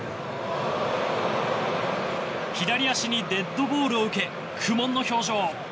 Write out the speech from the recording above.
左足にデッドボールを受け苦もんの表情。